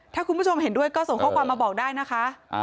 ถ้าคุณผู้ชมเห็นด้วยก็ส่งข้อความมาบอกได้นะคะ